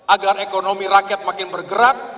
agar ekonomi rakyat makin bergerak